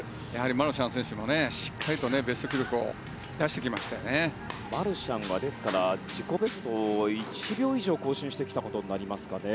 マルシャンのしっかりベスト記録をマルシャンが自己ベストを１秒以上更新してきたことになりますからね。